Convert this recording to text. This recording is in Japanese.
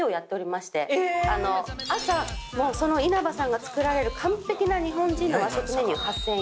朝稲葉さんが作られる完璧な日本人の和食メニュー８，０００円。